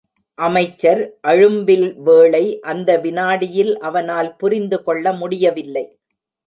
அமைச்சர் அழும்பில்வேளை அந்த விநாடியில் அவனால் புரிந்துகொள்ள முடியவில்லை.